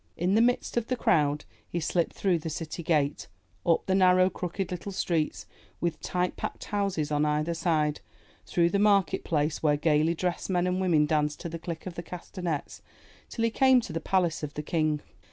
In the midst of the crowd, he slipped through the city gate, up the narrow, crooked little streets with tight packed houses on either side, through the market place, where gaily dressed men and women danced to the click of the castanets, till he came to the Palace of the King.